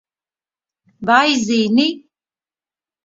Vai zini?